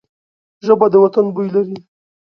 ژبه د وطن بوی لري